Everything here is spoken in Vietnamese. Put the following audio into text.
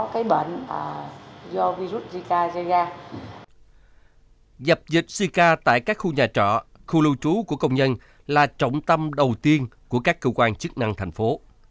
dập dịch sica tại các khu nhà trọ khu lưu trú của công nhân là trọng tâm đầu tiên của các cơ quan chức năng thành phố